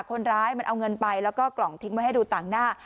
คนร้ายมันเอาเงินไปแล้วก็กล่องทิ้งไว้ให้ดูต่างหน้า